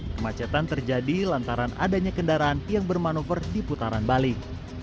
kemacetan terjadi lantaran adanya kendaraan yang bermanuver di putaran balik